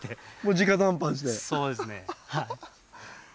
そうですねはい。